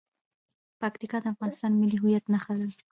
پکتیکا د افغانستان د ملي هویت نښه ده.